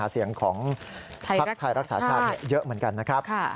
เสียงของภักดิ์ไทยรักษาชาติเยอะเหมือนกันนะครับ